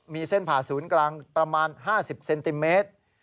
มีเส้นผ่าศูนย์กลางประมาณ๕๐เซนติเมตร